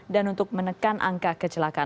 dan untuk menekan angka kecelakaan